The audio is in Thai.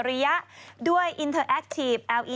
พี่ชอบแซงไหลทางอะเนาะ